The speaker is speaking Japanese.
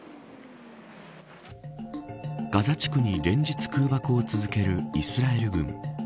ガザ地区に連日空爆を続けるイスラエル軍。